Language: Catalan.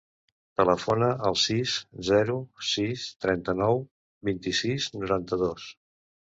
Telefona al sis, zero, sis, trenta-nou, vint-i-sis, noranta-dos.